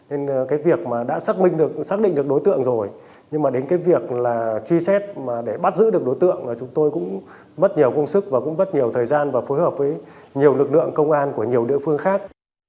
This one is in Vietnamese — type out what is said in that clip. nên cái việc mà đã xác minh được xác định được đối tượng rồi nhưng mà đến cái việc là truy xét mà để bắt giữ được đối tượng là chúng tôi cũng mất nhiều công sức và cũng mất nhiều thời gian và phối hợp với nhiều lực lượng công an của nhiều địa phương khác